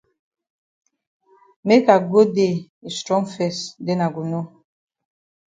Make I go dey yi strong fes den I go know.